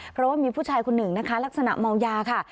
เพราะว่ามีผู้ชายคนหนึ่งนะคะลักษณะเมายาค่ะ